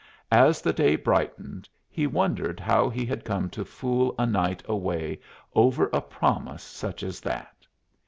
As the day brightened he wondered how he had come to fool a night away over a promise such as that.